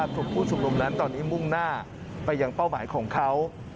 กลุ่มผู้ชุมนุมนั้นตอนนี้มุ่งหน้าไปยังเป้าหมายของเขา